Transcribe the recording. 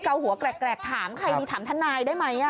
เกาหัวแกรกถามใครถามท่านายได้ไหมอ่ะ